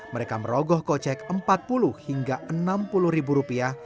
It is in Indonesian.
mereka merogoh kocek empat puluh hingga enam puluh ribu rupiah